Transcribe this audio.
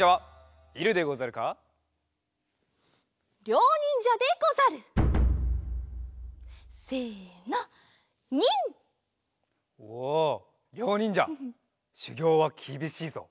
りょうにんじゃしゅぎょうはきびしいぞ。